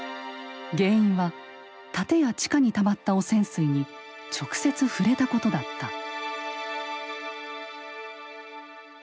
原因は建屋地下にたまった汚染水に直接触れたことだった。